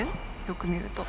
よく見ると。